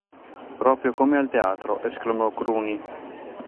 “Proprio come al teatro,” esclamò Cruni.